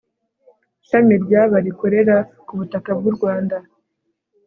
shami ryaba rikorera ku butaka bw u Rwanda